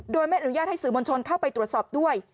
โดยไม่อนุญาตให้สื่อมวลชนเข้าไปตรวจสอบด้วย